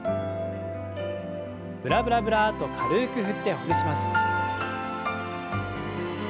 ブラブラブラッと軽く振ってほぐします。